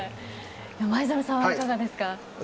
前園さんはいかがですか。